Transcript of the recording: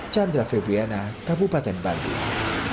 chandra febriana kabupaten bandung